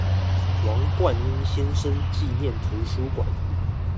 王貫英先生紀念圖書館